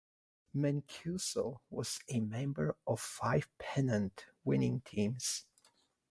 Mancuso was a member of five pennant-winning teams.